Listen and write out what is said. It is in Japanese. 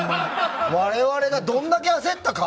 我々がどんだけ焦ったか！